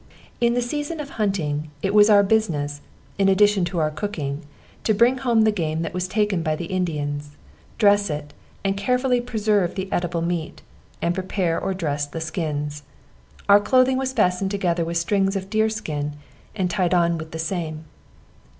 In the season of hunting, it was our business, in addition to our cooking, to bring home the game that was taken by the Indians, dress it, and carefully preserve the eatable meat, and prepare or dress the skins. Our clothing was fastened together with strings of deer skin, and tied on with the same.